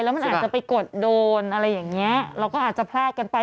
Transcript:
แล้วมันอาจจะไปกดโดนอะไรอย่างเงี้ยเราก็อาจจะพลาดกันไป